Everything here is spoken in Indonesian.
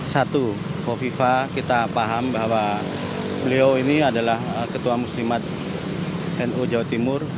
satu kofifa kita paham bahwa beliau ini adalah ketua muslimat nu jawa timur